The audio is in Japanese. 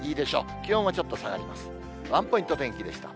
気温はちょっと下がります。